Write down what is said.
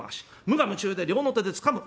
無我夢中で両の手でつかむ。